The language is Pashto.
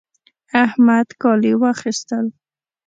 احمد کالي واخيستل